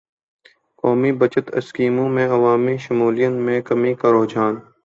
قومی بچت اسکیموں میں عوامی شمولیت میں کمی کا رحجان